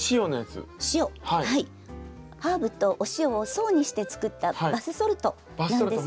ハーブとお塩を層にして作ったバスソルトなんですけれども。